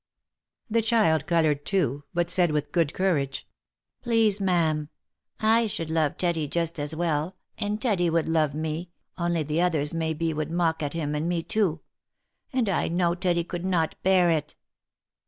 The child coloured too, but said, with good courage, " Please, ma'am, I should love Teddy just as well, and Teddy would love me, only the others may be would mock at him and me too — and I know Teddy could not bear it."